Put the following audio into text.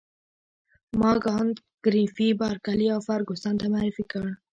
ما کانت ګریفي بارکلي او فرګوسن ته معرفي کړ.